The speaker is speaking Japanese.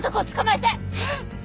えっ？